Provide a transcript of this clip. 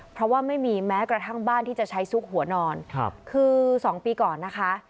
เพราะว่าไม่มีแม้กระทั่งบ้านที่จะใช้ซุกหัวนอนคือ๒ปีก่อนนะคะ